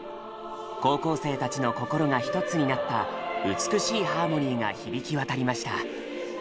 高校生たちの心がひとつになった美しいハーモニーが響き渡りました。